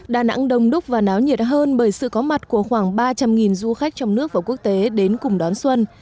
đà nẵng đông đúc và náo nhiệt hơn bởi sự có mặt của khoảng ba trăm linh du khách trong nước và quốc tế đến cùng đón xuân